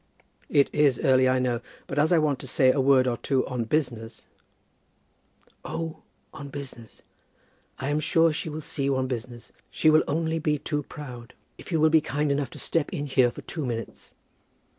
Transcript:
"It is early, I know; but as I want to say a word or two on business " "Oh, on business. I am sure she will see you on business; she will only be too proud. If you will be kind enough to step in here for two minutes."